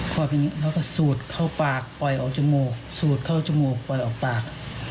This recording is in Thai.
พอทีนี้เขาก็สูดเข้าปากปล่อยออกจมูกสูดเข้าจมูกปล่อยออกปาก